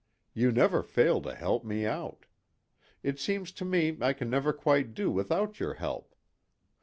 You never fail to help me out. It seems to me I can never quite do without your help.